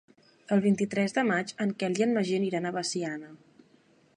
El vint-i-tres de maig en Quel i en Magí aniran a Veciana.